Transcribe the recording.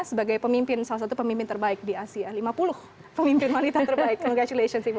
sebagai salah satu pemimpin terbaik di asia lima puluh pemimpin wanita terbaik congratulations ibu